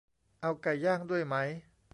เอาไก่ย่างด้วยไหม